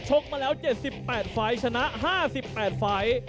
กมาแล้ว๗๘ไฟล์ชนะ๕๘ไฟล์